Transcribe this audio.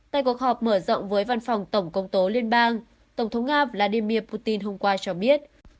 tại cuộc họp mở rộng với văn phòng tổng công tố liên bang tổng thống nga vladimir putin hôm qua cho biết